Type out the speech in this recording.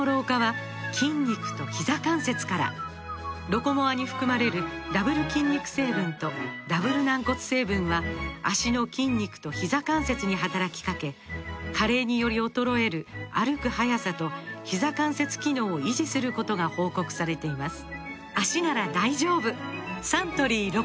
「ロコモア」に含まれるダブル筋肉成分とダブル軟骨成分は脚の筋肉とひざ関節に働きかけ加齢により衰える歩く速さとひざ関節機能を維持することが報告されています